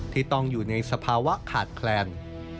ที่ต้องอยู่ในสภาวะขาดแคลน